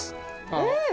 うん！